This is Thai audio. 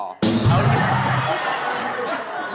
โอ้ซ